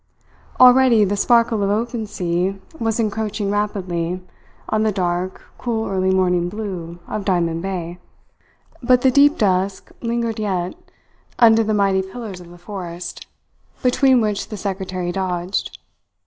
Already the sparkle of open sea was encroaching rapidly on the dark, cool, early morning blue of Diamond Bay; but the deep dusk lingered yet under the mighty pillars of the forest, between which the secretary dodged.